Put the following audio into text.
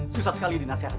susah sekali dinasihati